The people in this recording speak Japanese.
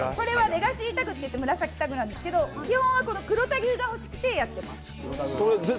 レガシータグっていって紫のタグなんですけど基本は黒タグが欲しくてやってます。